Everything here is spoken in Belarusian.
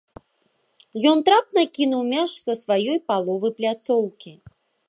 Ён трапна кінуў мяч са сваёй паловы пляцоўкі.